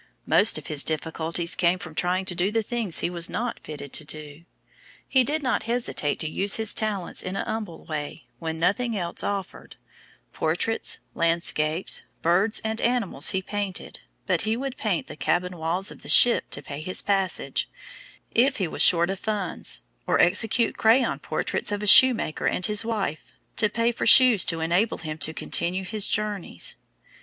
Most of his difficulties came from trying to do the things he was not fitted to do. He did not hesitate to use his talents in a humble way, when nothing else offered portraits, landscapes, birds and animals he painted, but he would paint the cabin walls of the ship to pay his passage, if he was short of funds, or execute crayon portraits of a shoemaker and his wife, to pay for shoes to enable him to continue his journeys.